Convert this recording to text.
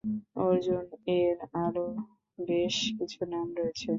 অর্জুন এর আরো বেশ কিছু নাম রয়েছে।